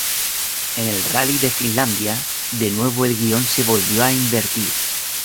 En el Rally de Finlandia, de nuevo el guion se volvió a invertir.